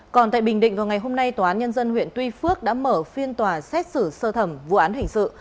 còn tại bình định vào ngày hôm nay tòa án nhân dân huyện tuy phước đã mở phiên tòa xét xử sơ thẩm vụ án hình sự